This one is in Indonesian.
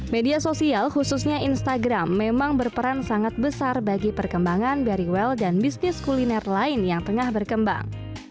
media sosial khususnya instagram memang berperan sangat besar bagi perkembangan barry well dan bisnis kuliner lain yang tengah berkembang